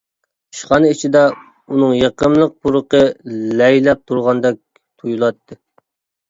ئىشخانا ئىچىدە ئۇنىڭ يېقىملىق پۇرىقى لەيلەپ تۇرغاندەك تۇيۇلاتتى.